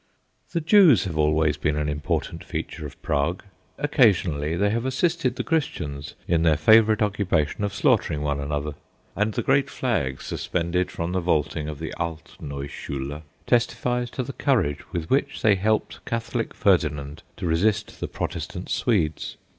The Jews have always been an important feature of Prague. Occasionally they have assisted the Christians in their favourite occupation of slaughtering one another, and the great flag suspended from the vaulting of the Altneuschule testifies to the courage with which they helped Catholic Ferdinand to resist the Protestant Swedes.